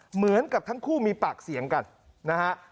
เหมือนกับทั้งคู่มีปากเสียงกันนะฮะ